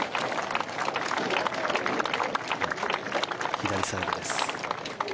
左サイドです。